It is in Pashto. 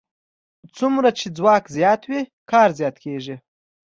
څومره چې ځواک زیات وي کار زیات کېږي.